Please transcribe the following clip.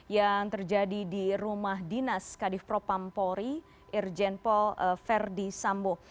yang terjadi di rumah dinas kadif propampori irjen pol verdi sambo